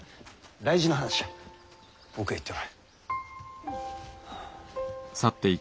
大事な話じゃ奥へ行っておれ。